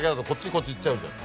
こっちいっちゃうじゃん。